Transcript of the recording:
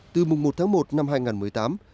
từ mùng một tháng một năm hai nghìn một mươi tám